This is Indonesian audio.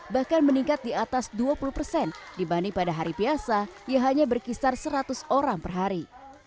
bahkan meningkat di atas dua puluh persen dibanding pada hari biasa yang hanya berkisar seratus orang per hari